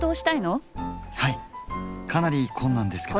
はいかなり困難ですけど。